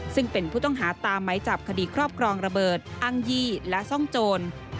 ซึ่งเป็นผู้ต้องหาตามไหมจับคดีครอบครองระเบิดอ้างยี่และซ่องโจร